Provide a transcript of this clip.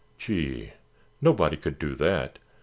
"Gee, nobody could do that.